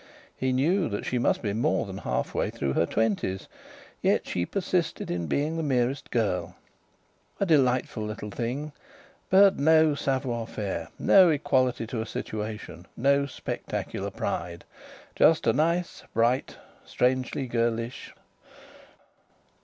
He knew that she must be more than half way through her twenties, and yet she persisted in being the merest girl. A delightful little thing; but no savoir vivre, no equality to a situation, no spectacular pride. Just a nice, bright girl, strangely girlish....